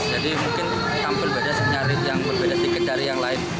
jadi mungkin tampil beda senyarin yang berbeda sikit dari yang lain